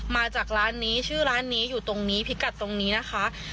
มาจากร้านนี้ชื่อร้านนี้อยู่ตรงนี้พิกัดตรงนี้นะคะ